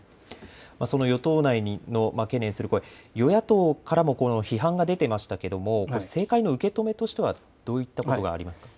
その与党内の懸念する声、与野党からも批判が出ていましましたけれども政界の受け止めとしてはどういったことがありますか。